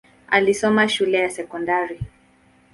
Alisoma shule ya sekondari.